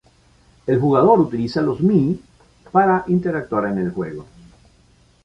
El jugador utiliza los Mii para interactuar en el juego.